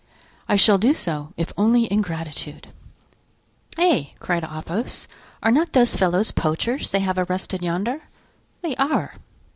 "I shall do so, if only in gratitude——" "Eh!" cried Athos, "are not those fellows poachers they have arrested yonder? They are.